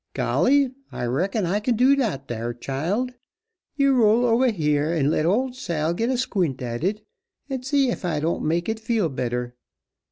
"Golly! I reckon I kin do dat dar, child. Yo' roll ober heah and let old Sal git a squint at it, and see ef I don't make it feel better.